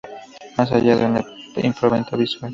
Más allá de la impronta visual.